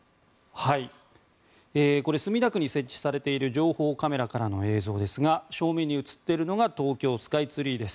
墨田区に設置されている情報カメラからの映像ですが正面に映っているのが東京スカイツリーです。